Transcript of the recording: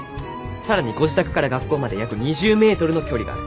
更にご自宅から学校まで約２０メートルの距離がある。